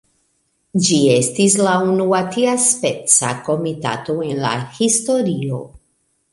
Ĝi estis la unua tiaspeca komitato en la historio.